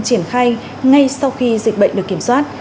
triển khai ngay sau khi dịch bệnh được kiểm soát